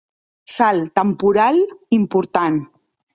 Salt temporal important.